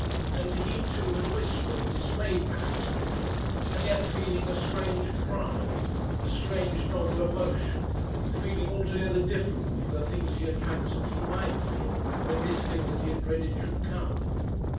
And he too had whispered, dismayed perhaps a little, and yet feeling a strange pride, a strange novel emotion, feeling altogether different from the things he had fancied he might feel when this thing that he had dreaded should come.